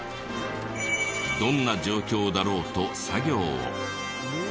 どんな状況だろうと作業を。